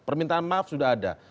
permintaan maaf sudah ada